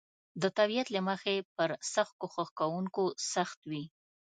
د طبیعت له مخې پر سخت کوښښ کونکو سخت وي.